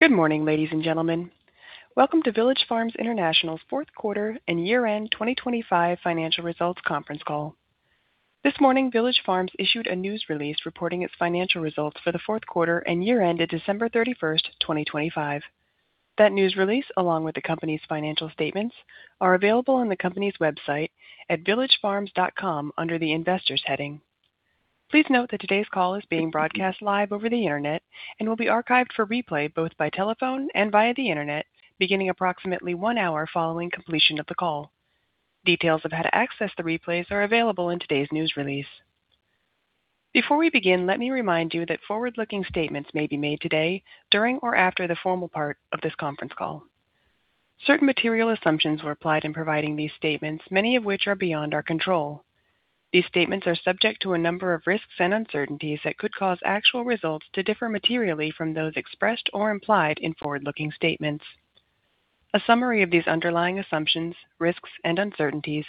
Good morning, ladies and gentlemen. Welcome to Village Farms International's fourth quarter and year-end 2025 financial results conference call. This morning, Village Farms issued a news release reporting its financial results for the fourth quarter and year-end to 31 December 2025. That news release, along with the company's financial statements, are available on the company's website at villagefarms.com under the Investors heading. Please note that today's call is being broadcast live over the Internet and will be archived for replay both by telephone and via the Internet beginning approximately one hour following completion of the call. Details of how to access the replays are available in today's news release. Before we begin, let me remind you that forward-looking statements may be made today during or after the formal part of this conference call. Certain material assumptions were applied in providing these statements, many of which are beyond our control. These statements are subject to a number of risks and uncertainties that could cause actual results to differ materially from those expressed or implied in forward-looking statements. A summary of these underlying assumptions, risks, and uncertainties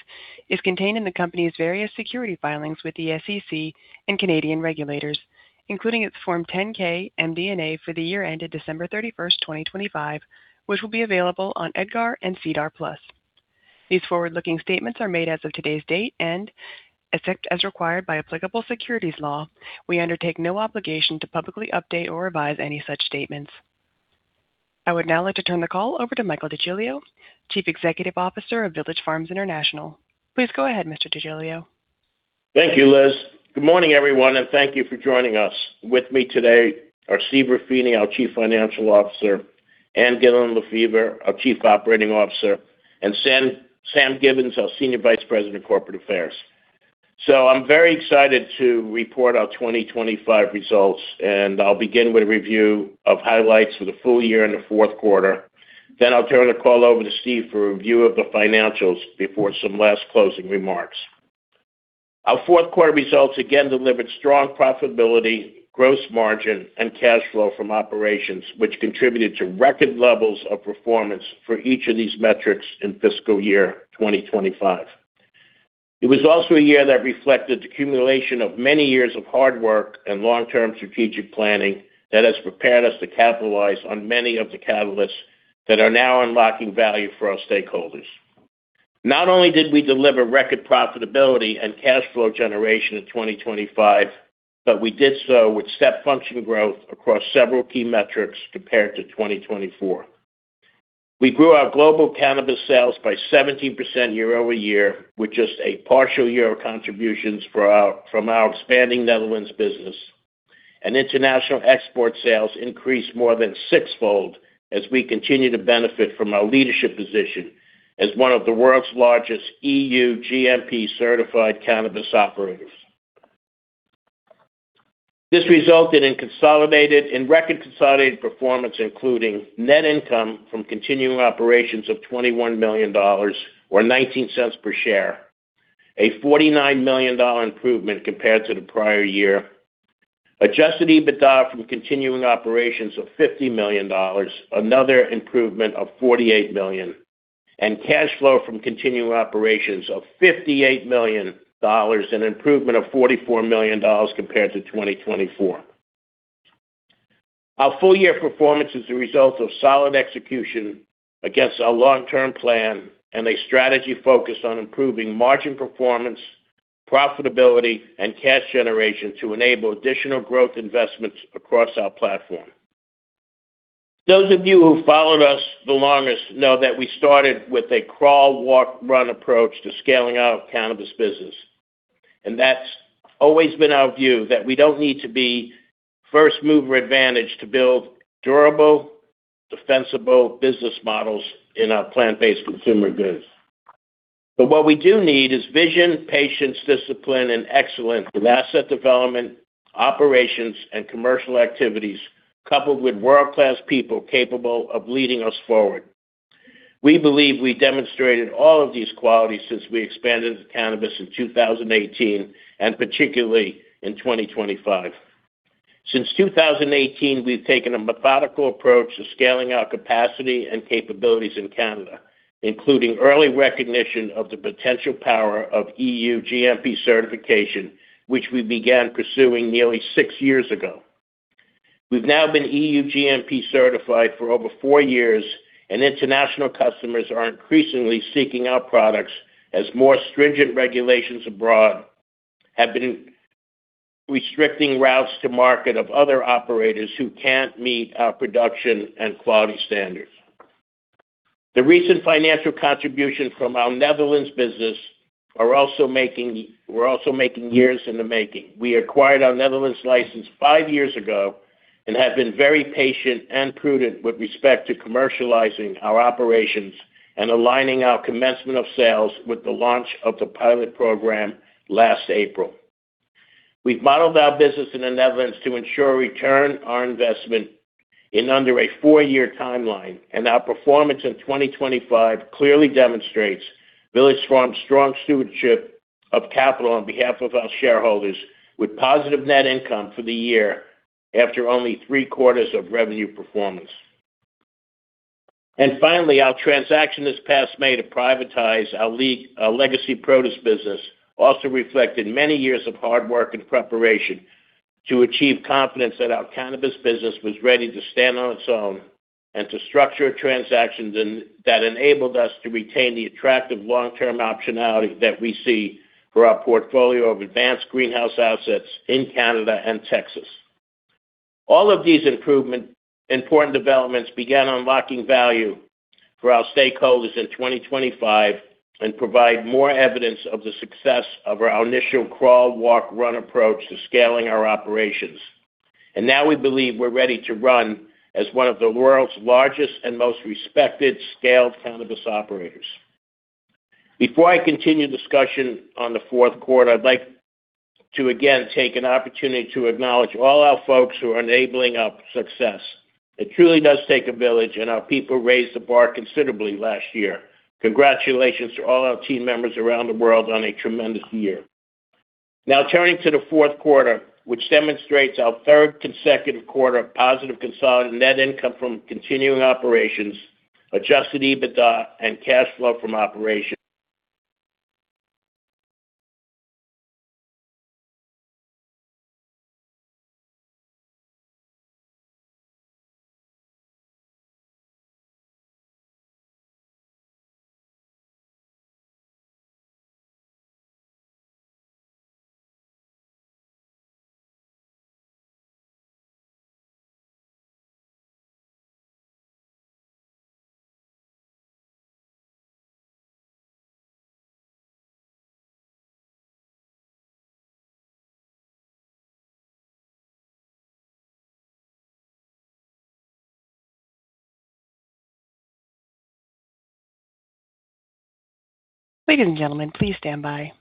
is contained in the company's various securities filings with the SEC and Canadian regulators, including its Form 10-K, MD&A for the year ended 31 December 2025, which will be available on EDGAR and SEDAR+. These forward-looking statements are made as of today's date, and except as required by applicable securities law, we undertake no obligation to publicly update or revise any such statements. I would now like to turn the call over to Michael DeGiglio, Chief Executive Officer of Village Farms International. Please go ahead, Mr. DeGiglio. Thank you, Liz. Good morning, everyone, and thank you for joining us. With me today are Steve Ruffini, our Chief Financial Officer, Ann Gillin Lefever, our Chief Operating Officer, and Sam Gibbons, our Senior Vice President of Corporate Affairs. I'm very excited to report our 2025 results, and I'll begin with a review of highlights for the full year and the fourth quarter. Then I'll turn the call over to Steve for a review of the financials before some last closing remarks. Our fourth quarter results again delivered strong profitability, gross margin, and cash flow from operations, which contributed to record levels of performance for each of these metrics in fiscal year 2025. It was also a year that reflected the accumulation of many years of hard work and long-term strategic planning that has prepared us to capitalize on many of the catalysts that are now unlocking value for our stakeholders. Not only did we deliver record profitability and cash flow generation in 2025, but we did so with step function growth across several key metrics compared to 2024. We grew our global cannabis sales by 70% year-over-year, with just a partial year of contributions for our expanding Netherlands business. International export sales increased more than six-fold as we continue to benefit from our leadership position as one of the world's largest EU GMP-certified cannabis operators. This resulted in record consolidated performance, including net income from continuing operations of $21 million or $0.19 per share. A $49 million improvement compared to the prior year. Adjusted EBITDA from continuing operations of $50 million, another improvement of $48 million, and cash flow from continuing operations of $58 million, an improvement of $44 million compared to 2024. Our full-year performance is the result of solid execution against our long-term plan and a strategy focused on improving margin performance, profitability, and cash generation to enable additional growth investments across our platform. Those of you who've followed us the longest know that we started with a crawl, walk, run approach to scaling our cannabis business, and that's always been our view that we don't need to be first-mover advantage to build durable, defensible business models in our plant-based consumer goods. What we do need is vision, patience, discipline, and excellence with asset development, operations, and commercial activities, coupled with world-class people capable of leading us forward. We believe we demonstrated all of these qualities since we expanded into cannabis in 2018, and particularly in 2025. Since 2018, we've taken a methodical approach to scaling our capacity and capabilities in Canada, including early recognition of the potential power of EU GMP certification, which we began pursuing nearly six years ago. We've now been EU GMP certified for over four years, and international customers are increasingly seeking our products as more stringent regulations abroad have been restricting routes to market of other operators who can't meet our production and quality standards. The recent financial contributions from our Netherlands business were also making years in the making. We acquired our Netherlands license five years ago and have been very patient and prudent with respect to commercializing our operations and aligning our commencement of sales with the launch of the pilot program last April. We've modeled our business in the Netherlands to ensure a return on investment in under a four-year timeline, and our performance in 2025 clearly demonstrates Village Farms' strong stewardship of capital on behalf of our shareholders with positive net income for the year after only three quarters of revenue performance. Finally, our transaction this past May to privatize our legacy produce business also reflected many years of hard work and preparation to achieve confidence that our cannabis business was ready to stand on its own and to structure a transaction then that enabled us to retain the attractive long-term optionality that we see for our portfolio of advanced greenhouse assets in Canada and Texas. All of these important developments began unlocking value for our stakeholders in 2025 and provide more evidence of the success of our initial crawl, walk, run approach to scaling our operations. Now we believe we're ready to run as one of the world's largest and most respected scaled cannabis operators. Before I continue discussion on the fourth quarter, I'd like to again take an opportunity to acknowledge all our folks who are enabling our success. It truly does take a village, and our people raised the bar considerably last year. Congratulations to all our team members around the world on a tremendous year. Now turning to the fourth quarter, which demonstrates our third consecutive quarter of positive consolidated net income from continuing operations, adjusted EBITDA and cash flow from operations. Ladies and gentlemen, please stand by.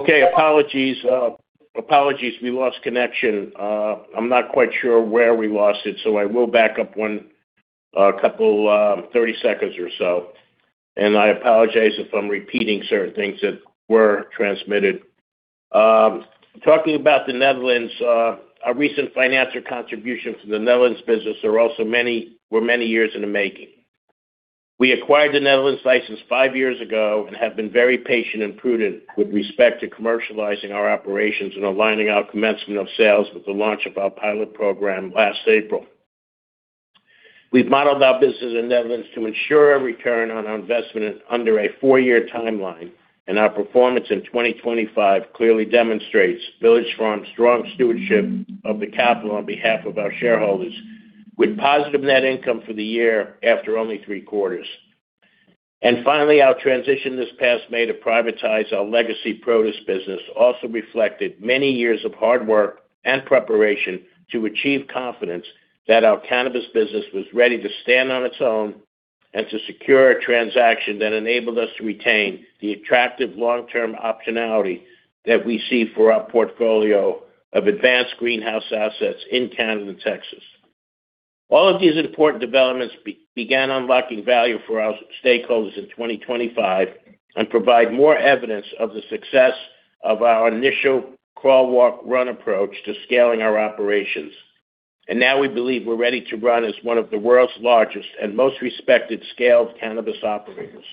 Okay, apologies. Apologies, we lost connection. I'm not quite sure where we lost it, so I will back up a couple thirty seconds or so, and I apologize if I'm repeating certain things that were transmitted. Talking about the Netherlands, our recent financial contribution from the Netherlands business were many years in the making. We acquired the Netherlands license five years ago and have been very patient and prudent with respect to commercializing our operations and aligning our commencement of sales with the launch of our pilot program last April. We've modeled our business in Netherlands to ensure a return on our investment under a four-year timeline, and our performance in 2025 clearly demonstrates Village Farms strong stewardship of the capital on behalf of our shareholders with positive net income for the year after only three quarters. Finally, our transition this past May to privatize our legacy produce business also reflected many years of hard work and preparation to achieve confidence that our cannabis business was ready to stand on its own and to secure a transaction that enabled us to retain the attractive long-term optionality that we see for our portfolio of advanced greenhouse assets in Canada and Texas. All of these important developments began unlocking value for our stakeholders in 2025 and provide more evidence of the success of our initial crawl, walk, run approach to scaling our operations. Now we believe we're ready to run as one of the world's largest and most respected scaled cannabis operators.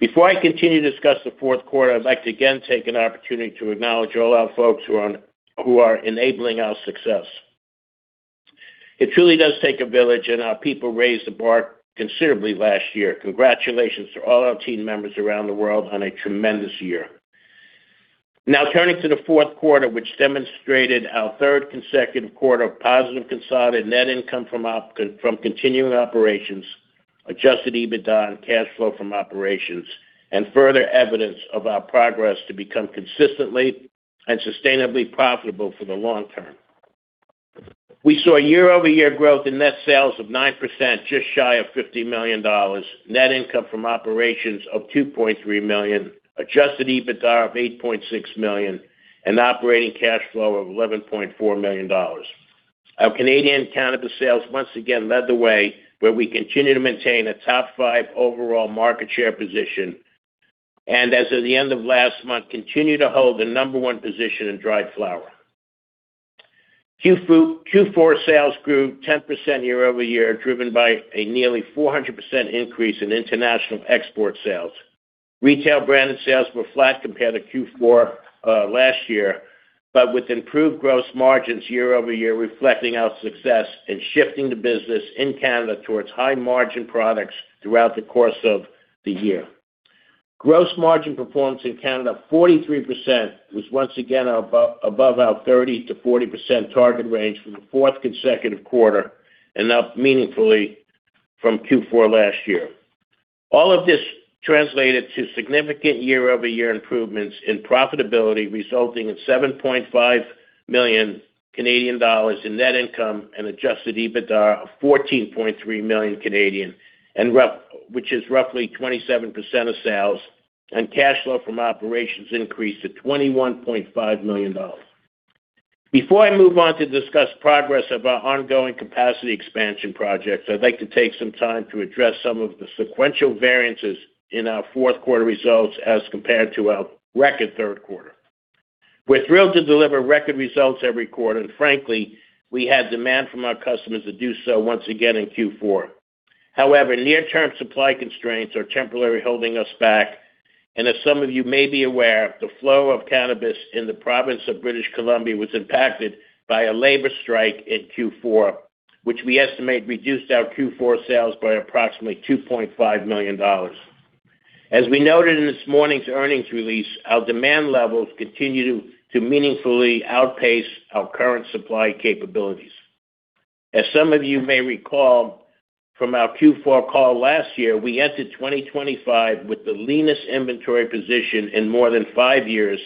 Before I continue to discuss the fourth quarter, I'd like to again take an opportunity to acknowledge all our folks who are enabling our success. It truly does take a village, and our people raised the bar considerably last year. Congratulations to all our team members around the world on a tremendous year. Now turning to the fourth quarter, which demonstrated our third consecutive quarter of positive consolidated net income from continuing operations, adjusted EBITDA, and cash flow from operations and further evidence of our progress to become consistently and sustainably profitable for the long term. We saw a year-over-year growth in net sales of 9%, just shy of $50 million, net income from operations of $2.3 million, adjusted EBITDA of $8.6 million, and operating cash flow of $11.4 million. Our Canadian cannabis sales once again led the way where we continue to maintain a top five overall market share position and as of the end of last month, continue to hold the number one position in dried flower. Q4 sales grew 10% year-over-year, driven by a nearly 400% increase in international export sales. Retail branded sales were flat compared to Q4 last year, but with improved gross margins year-over-year, reflecting our success in shifting the business in Canada towards high margin products throughout the course of the year. Gross margin performance in Canada, 43%, was once again above our 30%-40% target range for the fourth consecutive quarter and up meaningfully from Q4 last year. All of this translated to significant year-over-year improvements in profitability, resulting in 7.5 million Canadian dollars in net income and adjusted EBITDA of 14.3 million, which is roughly 27% of sales, and cash flow from operations increased to $21.5 million. Before I move on to discuss progress of our ongoing capacity expansion projects, I'd like to take some time to address some of the sequential variances in our fourth quarter results as compared to our record third quarter. We're thrilled to deliver record results every quarter, and frankly, we had demand from our customers to do so once again in Q4. However, near-term supply constraints are temporarily holding us back. As some of you may be aware, the flow of cannabis in the province of British Columbia was impacted by a labor strike in Q4, which we estimate reduced our Q4 sales by approximately $2.5 million. As we noted in this morning's earnings release, our demand levels continue to meaningfully outpace our current supply capabilities. As some of you may recall from our Q4 call last year, we entered 2025 with the leanest inventory position in more than five years.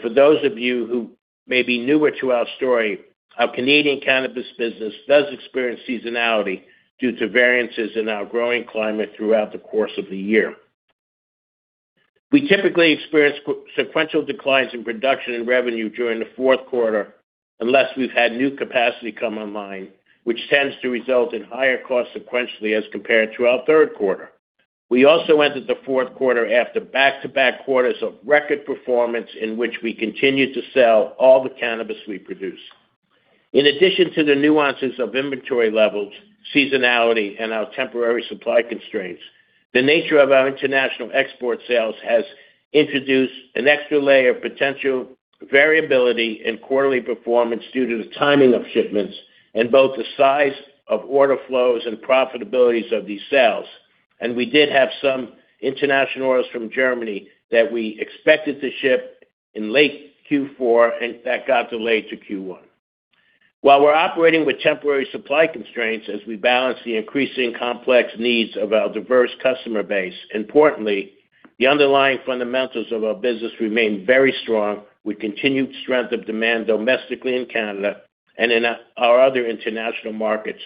For those of you who may be newer to our story, our Canadian cannabis business does experience seasonality due to variances in our growing climate throughout the course of the year. We typically experience sequential declines in production and revenue during the fourth quarter unless we've had new capacity come online, which tends to result in higher costs sequentially as compared to our third quarter. We also entered the fourth quarter after back-to-back quarters of record performance in which we continued to sell all the cannabis we produced. In addition to the nuances of inventory levels, seasonality, and our temporary supply constraints, the nature of our international export sales has introduced an extra layer of potential variability in quarterly performance due to the timing of shipments and both the size of order flows and profitabilities of these sales. We did have some international orders from Germany that we expected to ship in late Q4, and that got delayed to Q1. While we're operating with temporary supply constraints as we balance the increasing complex needs of our diverse customer base, importantly, the underlying fundamentals of our business remain very strong with continued strength of demand domestically in Canada and in our other international markets,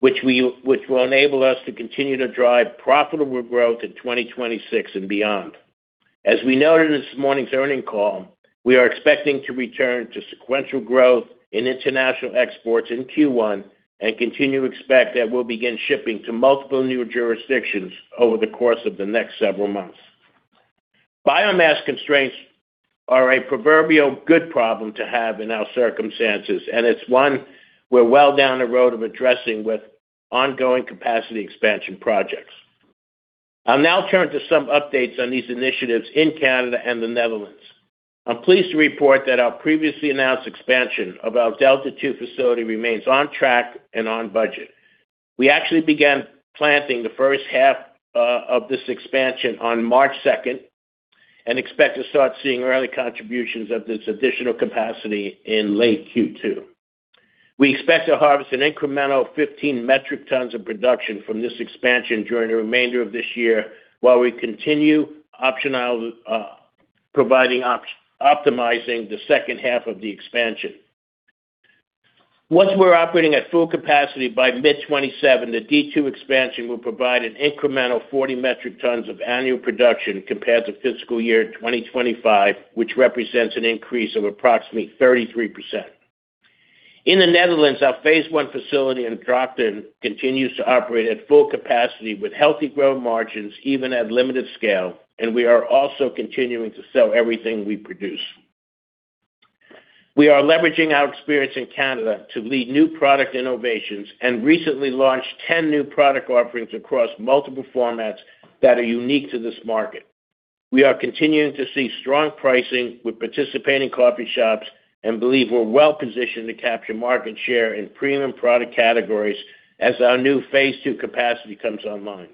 which will enable us to continue to drive profitable growth in 2026 and beyond. As we noted in this morning's earnings call, we are expecting to return to sequential growth in international exports in Q1 and continue to expect that we'll begin shipping to multiple new jurisdictions over the course of the next several months. Biomass constraints are a proverbial good problem to have in our circumstances, and it's one we're well down the road of addressing with ongoing capacity expansion projects. I'll now turn to some updates on these initiatives in Canada and the Netherlands. I'm pleased to report that our previously announced expansion of our Delta Two facility remains on track and on budget. We actually began planting the first half of this expansion on March 2nd and expect to start seeing early contributions of this additional capacity in late Q2. We expect to harvest an incremental 15 metric tons of production from this expansion during the remainder of this year, while we continue optimizing the second half of the expansion. Once we're operating at full capacity by mid-2027, the D2 expansion will provide an incremental 40 metric tons of annual production compared to fiscal year 2025, which represents an increase of approximately 33%. In the Netherlands, our phase I facility in Drachten continues to operate at full capacity with healthy gross margins even at limited scale, and we are also continuing to sell everything we produce. We are leveraging our experience in Canada to lead new product innovations and recently launched 10 new product offerings across multiple formats that are unique to this market. We are continuing to see strong pricing with participating coffee shops and believe we're well positioned to capture market share in premium product categories as our new phase II capacity comes online.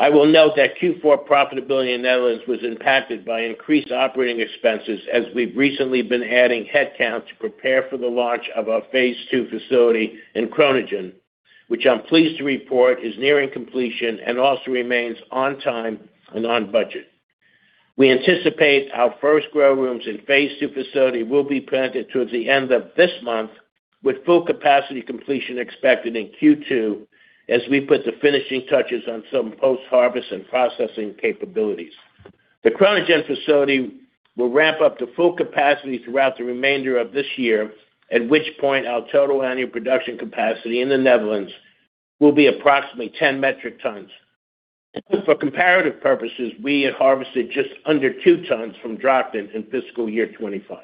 I will note that Q4 profitability in the Netherlands was impacted by increased operating expenses as we've recently been adding headcount to prepare for the launch of our phase II facility in Groningen, which I'm pleased to report is nearing completion and also remains on time and on budget. We anticipate our first grow rooms in phase II facility will be planted towards the end of this month, with full capacity completion expected in Q2 as we put the finishing touches on some post-harvest and processing capabilities. The Groningen facility will ramp up to full capacity throughout the remainder of this year, at which point our total annual production capacity in the Netherlands will be approximately 10 metric tons. For comparative purposes, we had harvested just under two tons from Drachten in fiscal year 2025.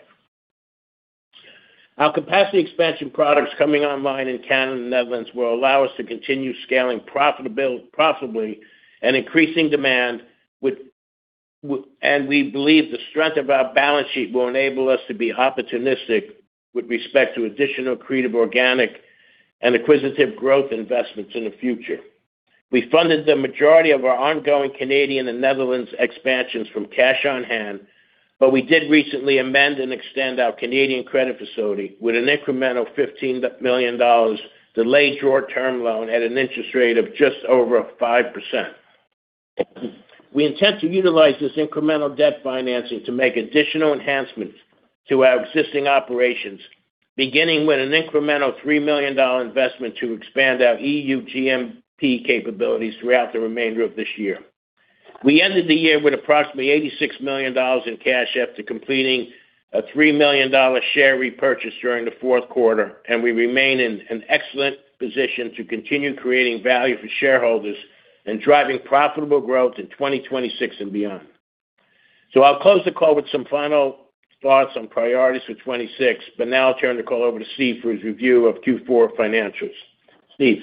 Our capacity expansion products coming online in Canada and the Netherlands will allow us to continue scaling profitability, profitably and increasing demand and we believe the strength of our balance sheet will enable us to be opportunistic with respect to additional creative, organic and acquisitive growth investments in the future. We funded the majority of our ongoing Canadian and Netherlands expansions from cash on hand, but we did recently amend and extend our Canadian credit facility with an incremental $15 million delayed short-term loan at an interest rate of just over 5%. We intend to utilize this incremental debt financing to make additional enhancements to our existing operations, beginning with an incremental $3 million investment to expand our EU GMP capabilities throughout the remainder of this year. We ended the year with approximately $86 million in cash after completing a $3 million share repurchase during the fourth quarter, and we remain in an excellent position to continue creating value for shareholders and driving profitable growth in 2026 and beyond. I'll close the call with some final thoughts on priorities for 2026, but now I'll turn the call over to Steve for his review of Q4 financials. Steve.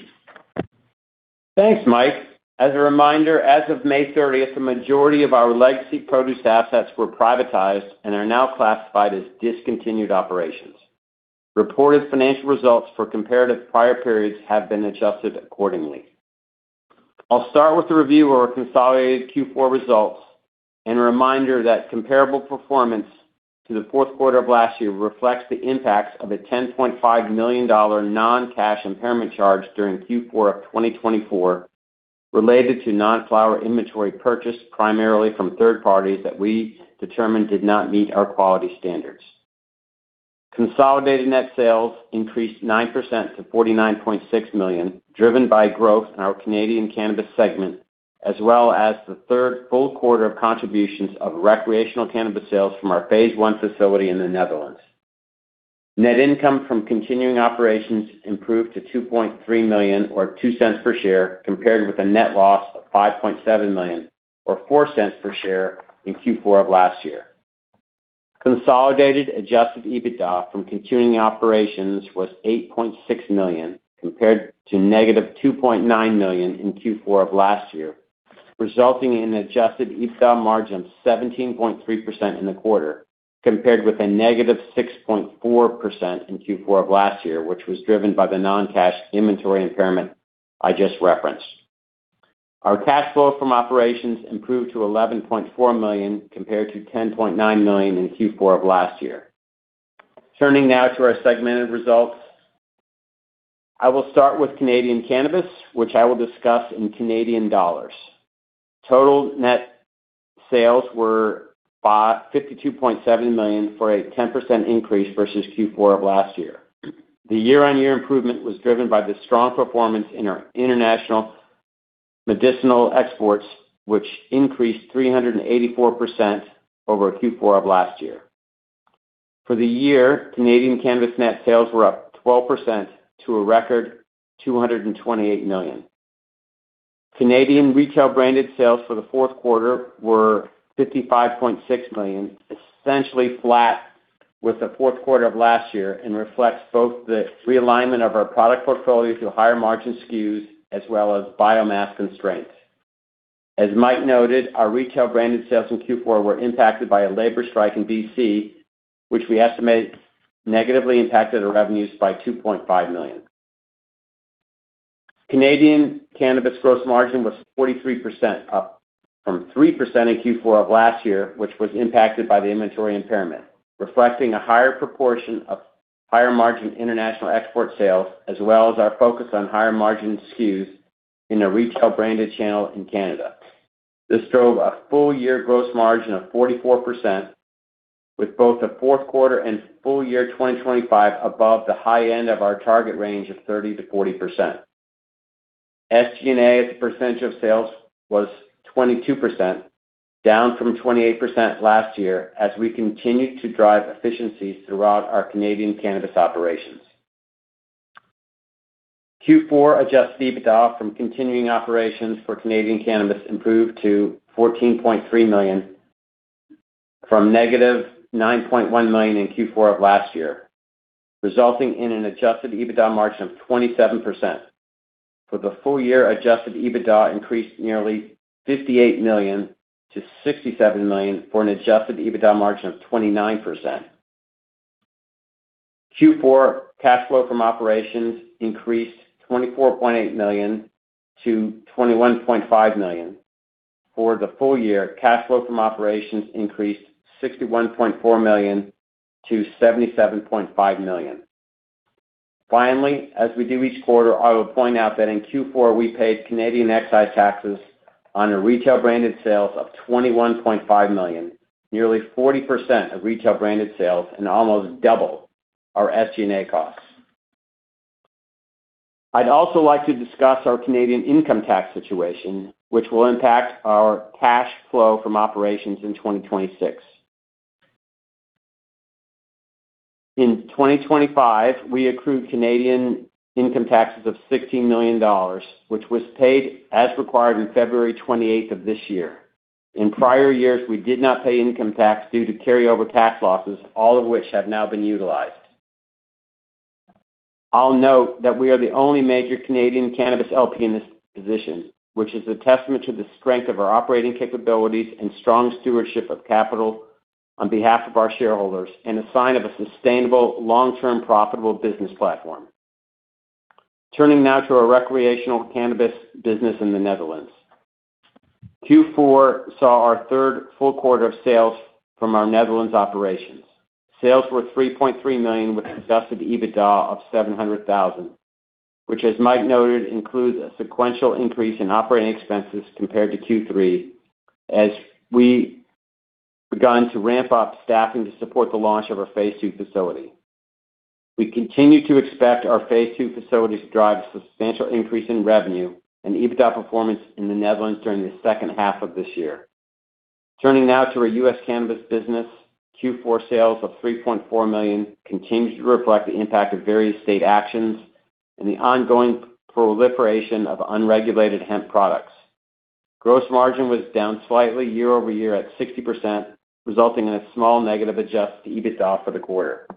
Thanks, Mike. As a reminder, as of May 30th, the majority of our legacy produce assets were privatized and are now classified as discontinued operations. Reported financial results for comparative prior periods have been adjusted accordingly. I'll start with the review of our consolidated Q4 results and a reminder that comparable performance to the fourth quarter of last year reflects the impacts of a $10.5 million non-cash impairment charge during Q4 of 2024 related to non-flower inventory purchased primarily from third parties that we determined did not meet our quality standards. Consolidated net sales increased 9% to $49.6 million, driven by growth in our Canadian cannabis segment as well as the third full quarter of contributions of recreational cannabis sales from our phase I facility in the Netherlands. Net income from continuing operations improved to $2.3 million, or $0.02 per share, compared with a net loss of $5.7 million, or $0.04 per share in Q4 of last year. Consolidated adjusted EBITDA from continuing operations was $8.6 million, compared to -$2.9 million in Q4 of last year, resulting in adjusted EBITDA margin 17.3% in the quarter, compared with -6.4% in Q4 of last year, which was driven by the non-cash inventory impairment I just referenced. Our cash flow from operations improved to $11.4 million compared to $10.9 million in Q4 of last year. Turning now to our segmented results. I will start with Canadian Cannabis, which I will discuss in Canadian dollars. Total net sales were $52.7 million for a 10% increase versus Q4 of last year. The year-on-year improvement was driven by the strong performance in our international medicinal exports, which increased 384% over Q4 of last year. For the year, Canadian cannabis net sales were up 12% to a record $228 million. Canadian retail branded sales for the fourth quarter were $55.6 million, essentially flat with the fourth quarter of last year and reflects both the realignment of our product portfolio to higher margin SKUs as well as biomass constraints. As Mike noted, our retail branded sales in Q4 were impacted by a labor strike in BC, which we estimate negatively impacted our revenues by $2.5 million. Canadian cannabis gross margin was 43%, up from 3% in Q4 of last year, which was impacted by the inventory impairment, reflecting a higher proportion of higher margin international export sales as well as our focus on higher margin SKUs in the retail branded channel in Canada. This drove a full-year gross margin of 44%, with both the fourth quarter and full year 2025 above the high end of our target range of 30%-40%. SG&A as a percentage of sales was 22%, down from 28% last year as we continued to drive efficiencies throughout our Canadian cannabis operations. Q4 adjusted EBITDA from continuing operations for Canadian cannabis improved to $14.3 million from -$9.1 million in Q4 of last year, resulting in an adjusted EBITDA margin of 27%. For the full year, adjusted EBITDA increased nearly $58 million to $67 million for an adjusted EBITDA margin of 29%. Q4 cash flow from operations increased $24.8 million to $21.5 million. For the full year, cash flow from operations increased $61.4 million to $77.5 million. Finally, as we do each quarter, I will point out that in Q4 we paid Canadian excise taxes on our retail-branded sales of $21.5 million, nearly 40% of retail-branded sales and almost double our SG&A costs. I'd also like to discuss our Canadian income tax situation, which will impact our cash flow from operations in 2026. In 2025, we accrued Canadian income taxes of $16 million, which was paid as required on February 28th of this year. In prior years, we did not pay income tax due to carryover tax losses, all of which have now been utilized. I'll note that we are the only major Canadian cannabis LP in this position, which is a testament to the strength of our operating capabilities and strong stewardship of capital on behalf of our shareholders and a sign of a sustainable long-term profitable business platform. Turning now to our recreational cannabis business in the Netherlands. Q4 saw our third full quarter of sales from our Netherlands operations. Sales were $3.3 million with adjusted EBITDA of $700,000, which, as Mike noted, includes a sequential increase in operating expenses compared to Q3 as we begun to ramp up staffing to support the launch of our phase II facility. We continue to expect our phase II facility to drive a substantial increase in revenue and EBITDA performance in the Netherlands during the second half of this year. Turning now to our U.S. cannabis business. Q4 sales of $3.4 million continued to reflect the impact of various state actions and the ongoing proliferation of unregulated hemp products. Gross margin was down slightly year-over-year at 60%, resulting in a small negative adjustment to EBITDA for the quarter.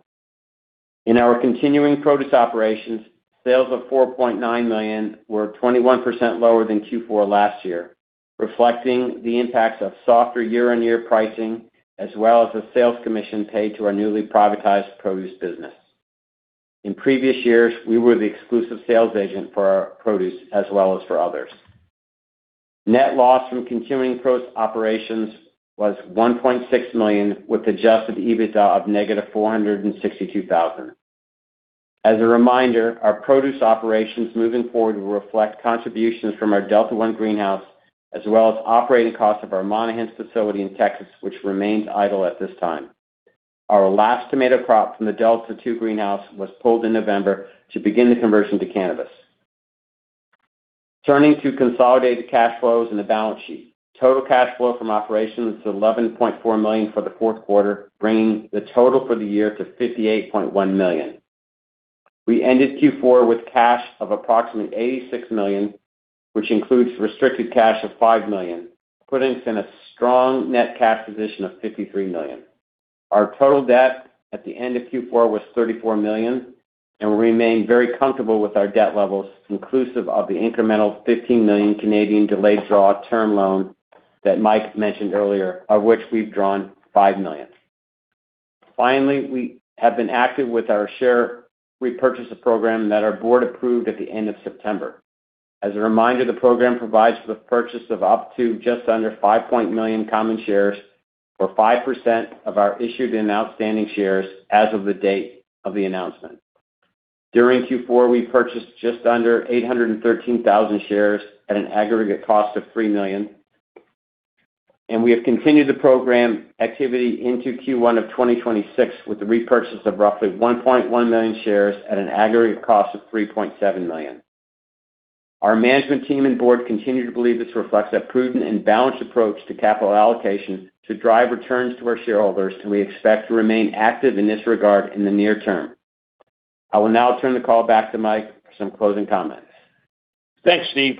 In our continuing produce operations, sales of $4.9 million were 21% lower than Q4 last year, reflecting the impacts of softer year-on-year pricing, as well as the sales commission paid to our newly privatized produce business. In previous years, we were the exclusive sales agent for our produce as well as for others. Net loss from continuing produce operations was $1.6 million, with adjusted EBITDA of -$462,000. As a reminder, our produce operations moving forward will reflect contributions from our Delta-One greenhouse as well as operating costs of our Monahans facility in Texas, which remains idle at this time. Our last tomato crop from the Delta-Two greenhouse was pulled in November to begin the conversion to cannabis. Turning to consolidated cash flows and the balance sheet. Total cash flow from operations is $11.4 million for the fourth quarter, bringing the total for the year to $58.1 million. We ended Q4 with cash of approximately $86 million, which includes restricted cash of $5 million, putting us in a strong net cash position of $53 million. Our total debt at the end of Q4 was $34 million, and we remain very comfortable with our debt levels, inclusive of the incremental 15 million delayed draw term loan that Mike mentioned earlier, of which we've drawn 5 million. Finally, we have been active with our share repurchase program that our board approved at the end of September. As a reminder, the program provides for the purchase of up to just under 5 million common shares, or 5% of our issued and outstanding shares as of the date of the announcement. During Q4, we purchased just under 813,000 shares at an aggregate cost of $3 million, and we have continued the program activity into Q1 of 2026 with the repurchase of roughly 1.1 million shares at an aggregate cost of $3.7 million. Our management team and board continue to believe this reflects a prudent and balanced approach to capital allocation to drive returns to our shareholders, and we expect to remain active in this regard in the near term. I will now turn the call back to Mike for some closing comments. Thanks, Steve.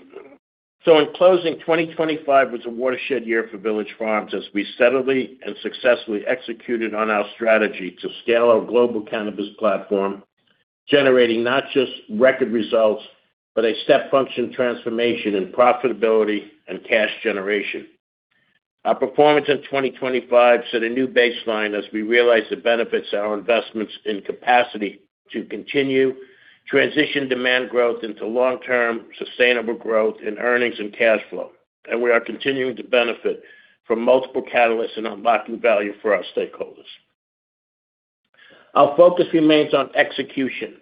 In closing, 2025 was a watershed year for Village Farms as we steadily and successfully executed on our strategy to scale our global cannabis platform, generating not just record results, but a step function transformation in profitability and cash generation. Our performance in 2025 set a new baseline as we realize the benefits of our investments in capacity to continue transition demand growth into long-term sustainable growth in earnings and cash flow. We are continuing to benefit from multiple catalysts in unlocking value for our stakeholders. Our focus remains on execution,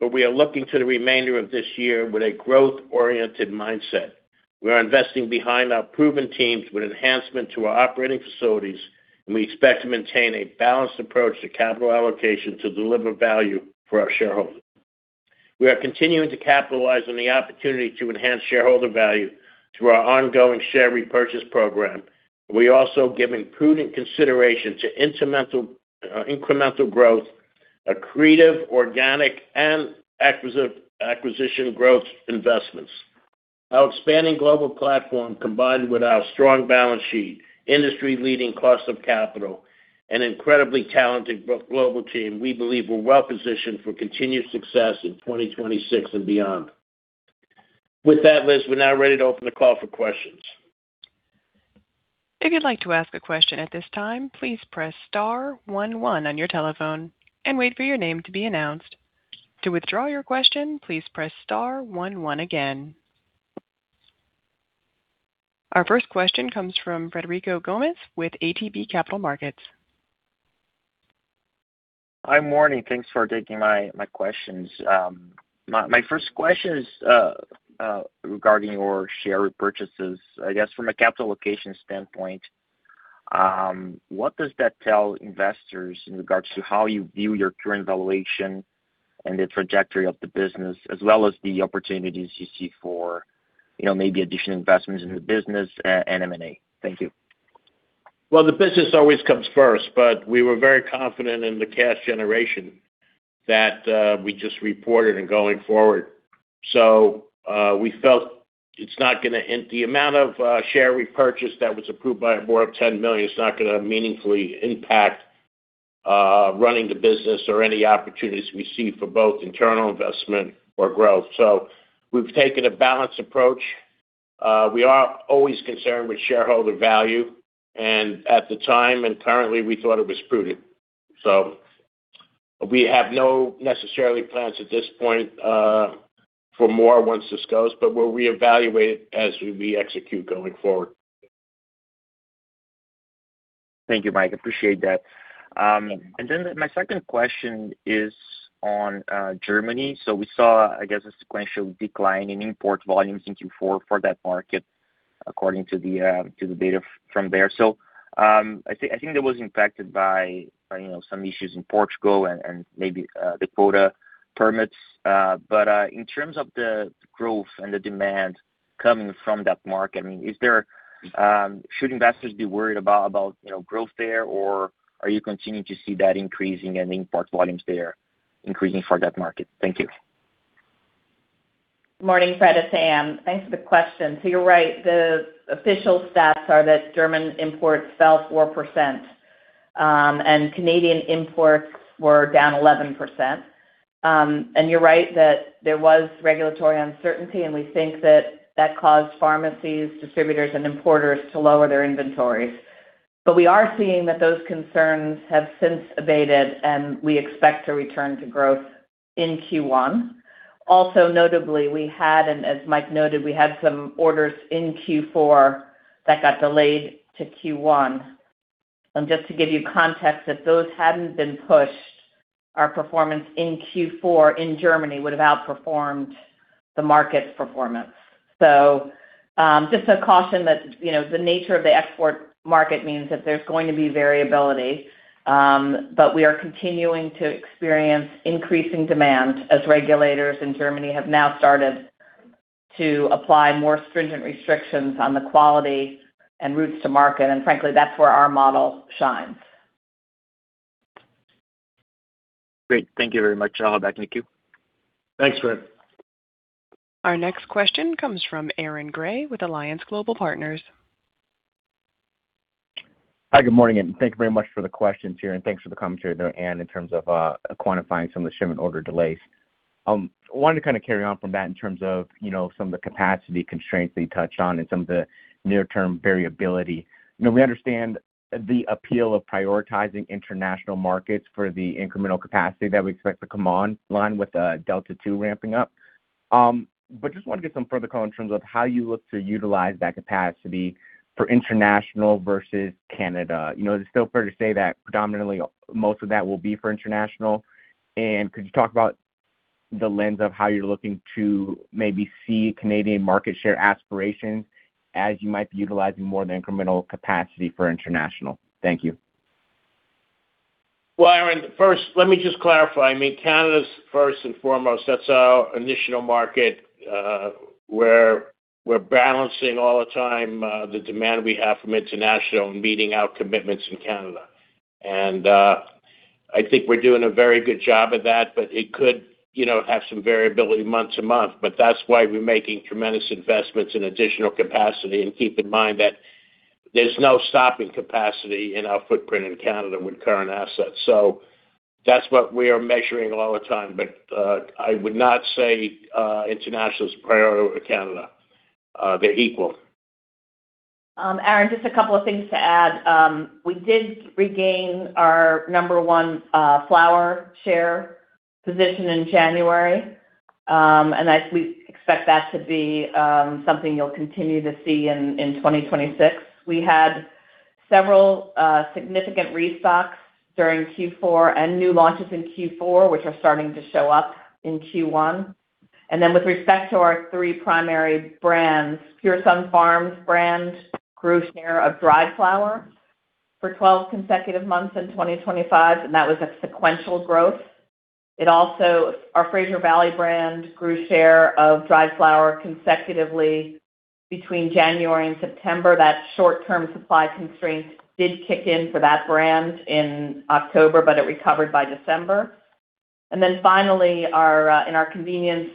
but we are looking to the remainder of this year with a growth-oriented mindset. We are investing behind our proven teams with enhancement to our operating facilities, and we expect to maintain a balanced approach to capital allocation to deliver value for our shareholders. We are continuing to capitalize on the opportunity to enhance shareholder value through our ongoing share repurchase program. We are also giving prudent consideration to incremental growth, accretive, organic, and acquisition growth investments. Our expanding global platform, combined with our strong balance sheet, industry-leading cost of capital and incredibly talented global team. We believe we're well-positioned for continued success in 2026 and beyond. With that, Liz, we're now ready to open the call for questions. If you'd like to ask a question at this time, please press star one one on your telephone and wait for your name to be announced. To withdraw your question, please press star one one again. Our first question comes from Frederico Gomes with ATB Capital Markets. Hi, morning. Thanks for taking my questions. My first question is regarding your share repurchases. I guess from a capital allocation standpoint, what does that tell investors in regards to how you view your current valuation and the trajectory of the business, as well as the opportunities you see for, you know, maybe additional investments in the business, and M&A? Thank you. Well, the business always comes first, but we were very confident in the cash generation that we just reported and going forward. We felt, and the amount of share repurchase that was approved by our board of 10 million is not gonna meaningfully impact running the business or any opportunities we see for both internal investment or growth. We've taken a balanced approach. We are always concerned with shareholder value, and at the time and currently we thought it was prudent. We have no necessary plans at this point for more once this goes, but we'll reevaluate as we execute going forward. Thank you, Mike. Appreciate that. My second question is on Germany. We saw, I guess, a sequential decline in import volumes in Q4 for that market, according to the data from there. I think it was impacted by, you know, some issues in Portugal and maybe the quota permits. In terms of the growth and the demand coming from that market, I mean, should investors be worried about, you know, growth there, or are you continuing to see that increasing and import volumes there increasing for that market? Thank you. Morning, Fred. It's Ann. Thanks for the question. You're right. The official stats are that German imports fell 4%, and Canadian imports were down 11%. You're right that there was regulatory uncertainty, and we think that that caused pharmacies, distributors and importers to lower their inventories. We are seeing that those concerns have since abated, and we expect to return to growth in Q1. Also notably, as Mike noted, we had some orders in Q4 that got delayed to Q1. Just to give you context, if those hadn't been pushed, our performance in Q4 in Germany would have outperformed the market's performance. Just a caution that, you know, the nature of the export market means that there's going to be variability. We are continuing to experience increasing demand as regulators in Germany have now started to apply more stringent restrictions on the quality and routes to market. Frankly, that's where our model shines. Great. Thank you very much. I'll hop back in the queue. Thanks, Fred. Our next question comes from Aaron Grey with Alliance Global Partners. Hi, good morning, and thank you very much for the questions here, and thanks for the commentary there, Ann, in terms of quantifying some of the shipment order delays. Wanted to kind of carry on from that in terms of, you know, some of the capacity constraints that you touched on and some of the near-term variability. You know, we understand the appeal of prioritizing international markets for the incremental capacity that we expect to come on-line with Delta two ramping up. But just wanted to get some further color in terms of how you look to utilize that capacity for international versus Canada. You know, is it still fair to say that predominantly most of that will be for international? Could you talk about the lens of how you're looking to maybe see Canadian market share aspirations as you might be utilizing more of the incremental capacity for international? Thank you. Well, Aaron, first let me just clarify. I mean, Canada's first and foremost, that's our initial market, where we're balancing all the time, the demand we have from international and meeting our commitments in Canada. I think we're doing a very good job of that. It could, you know, have some variability month to month. That's why we're making tremendous investments in additional capacity. Keep in mind that there's no stopping capacity in our footprint in Canada with current assets. That's what we are measuring all the time. I would not say international is priority over Canada. They're equal. Aaron, just a couple of things to add. We did regain our number one flower share position in January. We expect that to be something you'll continue to see in 2026. We had several significant restocks during Q4 and new launches in Q4, which are starting to show up in Q1. With respect to our three primary brands, Pure Sunfarms brand grew share of dried flower for 12 consecutive months in 2025, and that was a sequential growth. Our Fraser Valley brand grew share of dried flower consecutively between January and September. That short-term supply constraint did kick in for that brand in October, but it recovered by December. Finally, in our convenience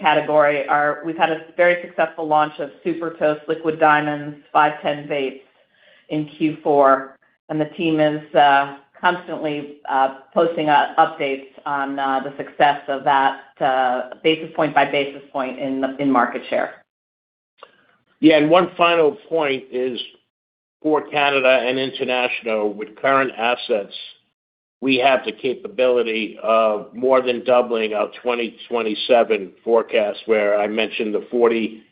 category, we've had a very successful launch of Super Toast Liquid Diamonds 510 vapes in Q4. The team is constantly posting updates on the success of that, basis point by basis point in market share. One final point is for Canada and international, with current assets, we have the capability of more than doubling our 2027 forecast, where I mentioned the 40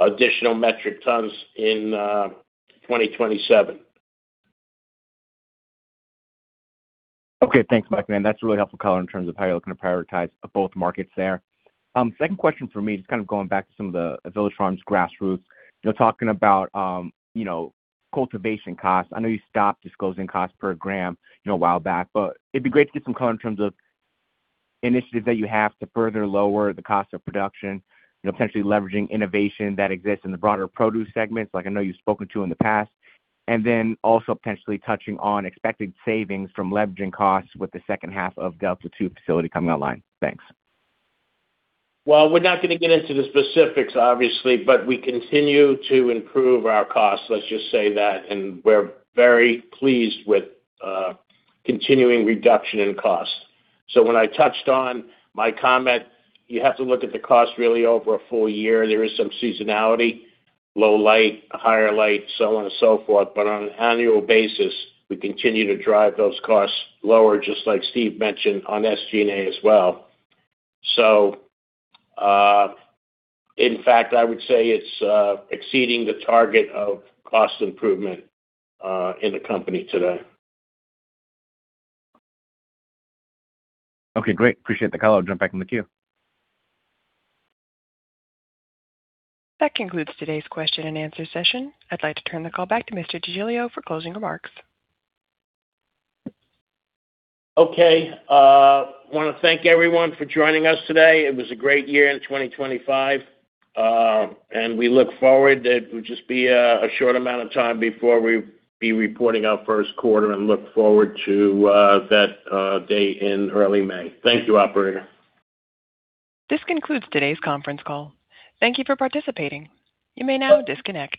additional metric tons in 2027. Okay. Thanks, Mike. Man, that's a really helpful color in terms of how you're looking to prioritize both markets there. Second question for me, just kind of going back to some of the Village Farms grassroots. You're talking about, you know, cultivation costs. I know you stopped disclosing costs per gram, you know, a while back, but it'd be great to get some color in terms of initiatives that you have to further lower the cost of production, you know, potentially leveraging innovation that exists in the broader produce segments, like I know you've spoken to in the past. Then also potentially touching on expected savings from leveraging costs with the second half of Delta Two facility coming online. Thanks. Well, we're not gonna get into the specifics, obviously, but we continue to improve our costs. Let's just say that, and we're very pleased with continuing reduction in costs. When I touched on my comment, you have to look at the cost really over a full year. There is some seasonality, low light, higher light, so on and so forth, but on an annual basis, we continue to drive those costs lower, just like Steve mentioned on SG&A as well. In fact, I would say it's exceeding the target of cost improvement in the company today. Okay, great. Appreciate the call. I'll jump back in the queue. That concludes today's question and answer session. I'd like to turn the call back to Mr. DeGiglio for closing remarks. Okay. Wanna thank everyone for joining us today. It was a great year in 2025, and we look forward. It will just be a short amount of time before we be reporting our first quarter and look forward to that date in early May. Thank you, operator. This concludes today's conference call. Thank you for participating. You may now disconnect.